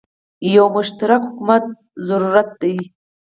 یو مشترک حکومت زوروت ده